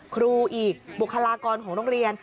ครูอีกบุคลากรของโรงเรียน